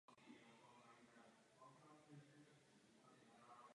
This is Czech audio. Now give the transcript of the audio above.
Později byla postavena válcová věž s elektrickým světlem.